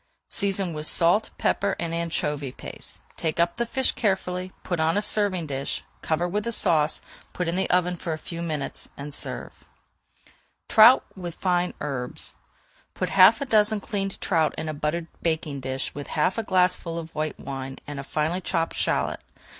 Season with salt, pepper, and anchovy paste. Take up the fish carefully, put on a serving dish, cover with the sauce, put in the oven for a few moments, and serve. [Page 419] TROUT WITH FINE HERBS Put half a dozen cleaned trout in a buttered baking dish with half a glassful of white wine, and a finely chopped shallot.